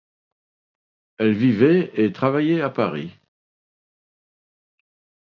Elle vivait et travaillait à Paris.